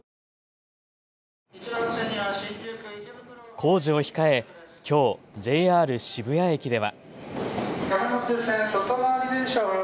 工事を控え、きょうＪＲ渋谷駅では。